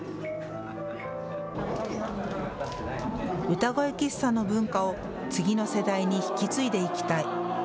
歌声喫茶の文化を次の世代に引き継いでいきたい。